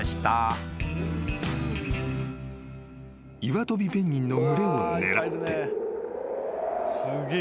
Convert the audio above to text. ［イワトビペンギンの群れを狙って］